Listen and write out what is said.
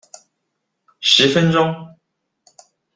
十分鐘